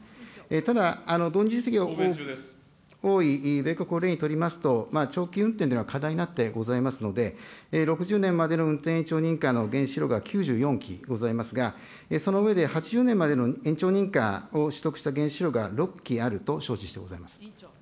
ただ、米国を例にとりますと、長期運転には課題になっておりますので、６０年までの運転延長認可の原子炉が９４基ございますが、その上で８０年までの延長認可を取得した原子炉が６基あると承知してございます。